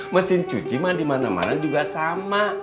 mesin cuci mah di mana mana juga sama